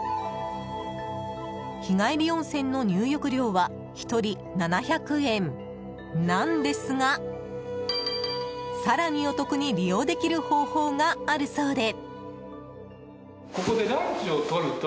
日帰り温泉の入浴料は１人７００円なんですが更にお得に利用できる方法があるそうで。